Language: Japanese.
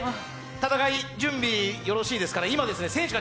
戦い、準備よろしいでしょうかね